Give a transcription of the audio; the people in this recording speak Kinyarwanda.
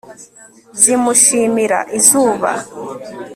zimushimira, izuba